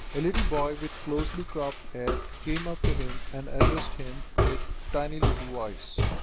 A little boy with closely cropped hair came up to him and addressed him in a thin little voice.